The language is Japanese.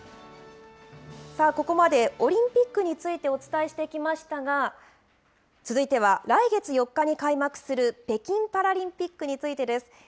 ここまでオリンピックについてお伝えしてきましたが、続いては来月４日に開幕する北京パラリンピックについてです。